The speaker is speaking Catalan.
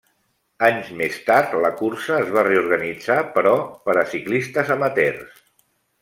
Anys més tard la cursa es va reorganitzar però per a ciclistes amateurs.